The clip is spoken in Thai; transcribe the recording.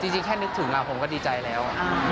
จริงแค่นึกถึงผมก็ดีใจแล้ว